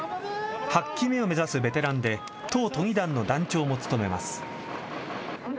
８期目を目指すベテランで党都議団の団長も務めます。